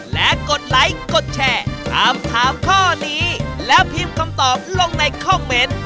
และกดไลค์กดแชร์ถามถามข้อนี้แล้วพิมพ์คำตอบลงในคอมเมนต์